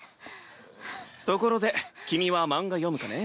ところで君は漫画読むかね？